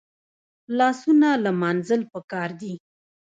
لاسونه لمانځل پکار دي